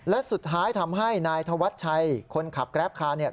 และสุดท้ายทำให้นายธวัชชัยคนขับแกรปคาร์เนี่ย